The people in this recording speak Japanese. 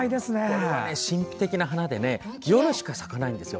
これは神秘的な花で夜しか咲かないんですよ。